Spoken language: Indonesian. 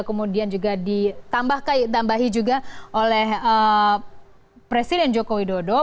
kemudian juga ditambahi juga oleh presiden joko widodo